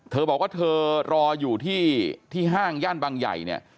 บอกว่าเธอรออยู่ที่ห้างย่านบางใหญ่เนี่ย